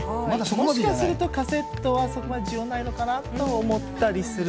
もしかするとカセットはそこまで需要ないのかなと思ったりす